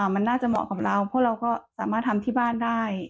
มันน่าจะเหมาะกับเราเพราะเราก็สามารถทำที่บ้านได้